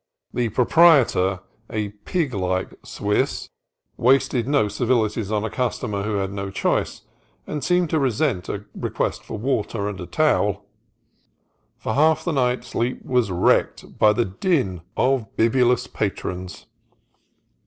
The proprietor, a pig like Swiss, wasted no civilities on a customer who had no choice, and seemed to resent a request for water and a towel. For half the night sleep was wrecked by the din of bibulous patrons.